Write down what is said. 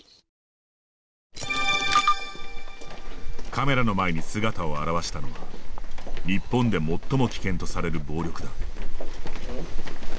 カメラの前に姿を現したのは日本で最も危険とされる暴力団。